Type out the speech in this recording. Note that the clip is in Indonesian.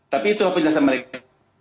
tapi itu penjelasan mereka